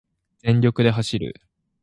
全力で走る